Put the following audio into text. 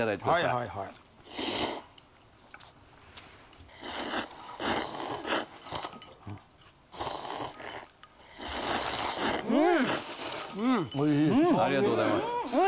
ありがとうございます。